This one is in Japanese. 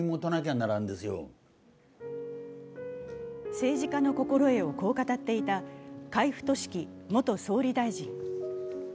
政治家の心得をこう語っていた海部俊樹元総理大臣。